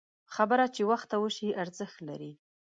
خبره چې وخته وشي، ارزښت لري